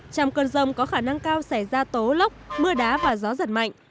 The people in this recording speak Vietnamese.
trong cơn rông có khả năng cao xảy ra tố lốc mưa đá và gió giật mạnh